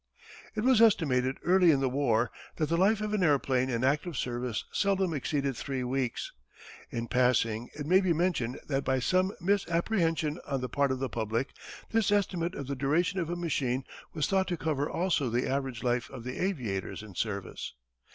It was estimated early in the war that the life of an airplane in active service seldom exceeded three weeks. In passing it may be mentioned that by some misapprehension on the part of the public, this estimate of the duration of a machine was thought to cover also the average life of the aviators in service.